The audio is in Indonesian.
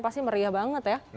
pasti meriah banget ya